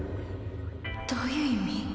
どういう意味？